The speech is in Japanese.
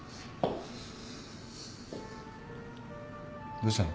どうしたの？